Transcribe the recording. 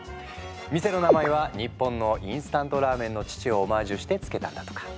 店の名前は日本のインスタントラーメンの父をオマージュして付けたんだとか。